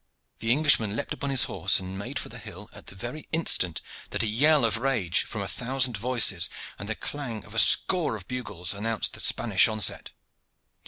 The Englishman leaped upon his horse and made for the hill, at the very instant that a yell of rage from a thousand voices and the clang of a score of bugles announced the Spanish onset.